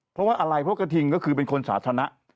เพราะว่าอะไรเพราะกระทิงก็คือเป็นคนสาธารณะ